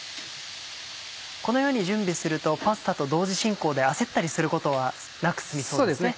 このように準備するとパスタと同時進行で焦ったりすることはなく済みそうですね。